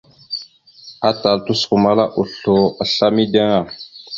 Atal tosəkomala oslo asla mideŋ a.